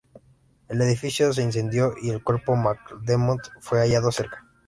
El edificio se incendió y el cuerpo de McDermott fue hallado cerca.